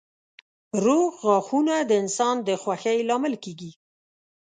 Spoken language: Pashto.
روغ غاښونه د انسان د خوښۍ لامل کېږي.